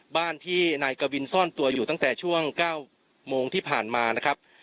บ้านที่นายกวินซ่อนตัวอยู่ตั้งแต่ช่วง๙โมงที่ผ่านมานะครับ